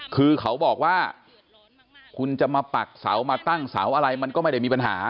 คือเขาบอกว่าคุณจะมาปักเสามาตั้งเสาอะไรมันก็ไม่ได้มีปัญหา